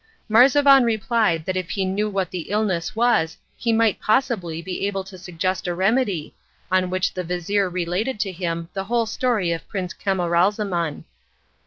Marzavan replied that if he knew what the illness was he might possibly be able to suggest a remedy, on which the vizir related to him the whole history of Prince Camaralzaman.